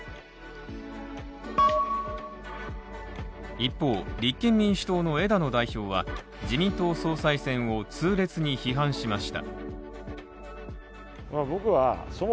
一方、立憲民主党の枝野代表は自民党総裁選を痛烈に批判しました。